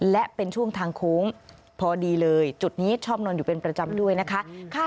และเป็นช่วงทางโค้งพอดีเลยจุดนี้ชอบนอนอยู่เป็นประจำด้วยนะคะ